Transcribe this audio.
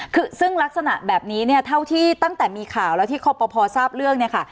คือซึ่งลักษณะแบบนี้เนี่ยเท่าที่ตั้งแต่มีข่าวแล้วที่คอปภทราบเรื่องเนี่ยค่ะ